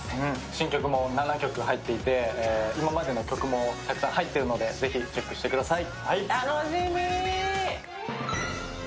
新曲も７曲入っていて、今までの曲もたくさん入っているのでぜひチェックしてください。